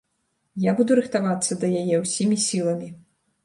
Я буду рыхтавацца да яе ўсімі сіламі.